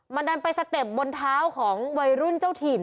มันดันไปสเต็ปบนเท้าของวัยรุ่นเจ้าถิ่น